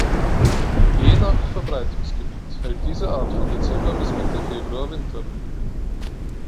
Je nach Verbreitungsgebiet, hält diese Art von Dezember bis Mitte Februar Winterruhe.